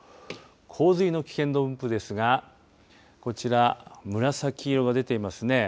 洪水の危険度分布ですがこちら、紫色が出ていますね。